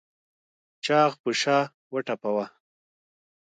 چاغ په شا وټپوه.